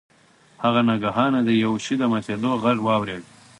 هغه ناگهانه د یو شي د ماتیدو غږ واورید.